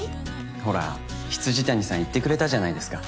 ほら未谷さん言ってくれたじゃないですか。